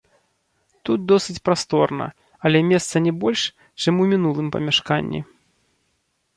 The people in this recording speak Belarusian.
Тут досыць прасторна, але месца не больш, чым у мінулым памяшканні.